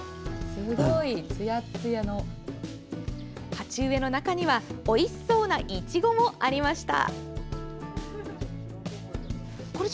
鉢植えの中にはおいしそうなイチゴもありました。